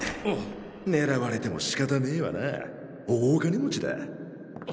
狙われても仕方ねぇわな大金持ちだ